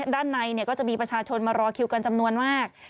ด้านในก็จะมีประชาชนมารอคิวกันจำนวนมาก